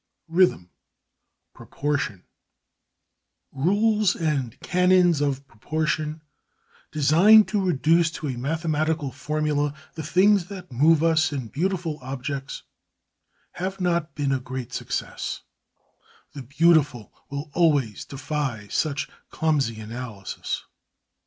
XVI RHYTHM: PROPORTION Rules and canons of proportion designed to reduce to a mathematical formula the things that move us in beautiful objects, have not been a great success; the beautiful will always defy such clumsy analysis.